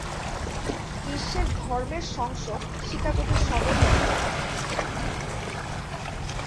বিশ্বের ধর্মের সংসদ শিকাগোতে সদর দপ্তর অবস্থিত।